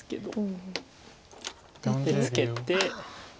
でツケて。